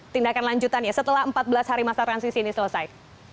tindakan lanjutannya setelah empat belas hari masa transisi ini selesai